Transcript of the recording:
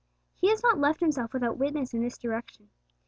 He has not left Himself without witness in this direction.